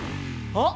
あっ！